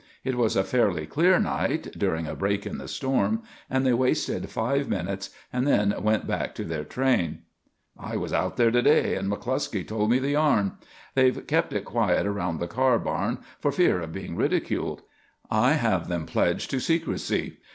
It was a fairly clear night, during a break in the storm, and they wasted five minutes and then went back to their train. "I was out there to day and McCluskey told me the yarn. They've kept it quiet around the car barn for fear of being ridiculed. I have them pledged to secrecy.